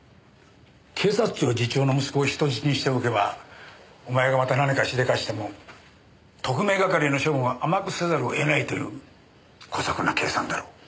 警察庁次長の息子を人質にしておけばお前がまた何かしでかしても特命係の処分は甘くせざるを得ないという姑息な計算だろう。